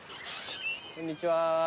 こんにちは。